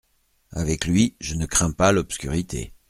Avec lui, je ne crains pas l'obscurité.